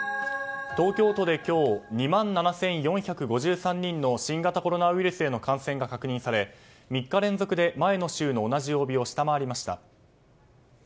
東京都で今日、２万７４５３人の新型コロナウイルスへの感染が確認され、３日連続で前の週の同じ曜日を下回りました。